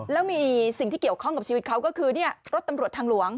แล้วมีสิ่งที่เกี่ยวข้องกับชีวิตเขาก็คือรถตำรวจทางหลวง